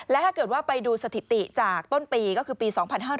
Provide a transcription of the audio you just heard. และถ้าเกิดว่าไปดูสถิติจากต้นปีก็คือปี๒๕๕๙